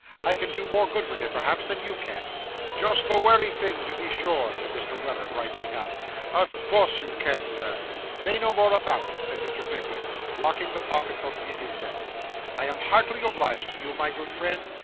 I can do more good with it, perhaps, than you can.' 'Just the wery thing, to be sure,' said Mr. Weller, brightening up; 'o' course you can, sir.' 'Say no more about it,' said Mr. Pickwick, locking the pocket book in his desk; 'I am heartily obliged to you, my good friend.